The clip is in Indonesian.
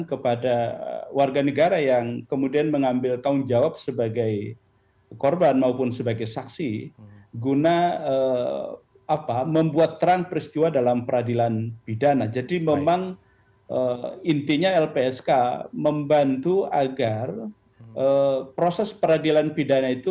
karena itu sekali lagi kita apa yang kita sebut dengan penelahan itu